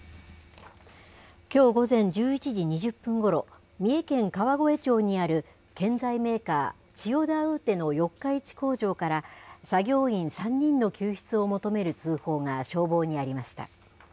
きょう午前１１時２０分ごろ、三重県川越町にある建材メーカー、チヨダウーテの四日市工場から、作業員３人の救出を求める通報が消防にありました。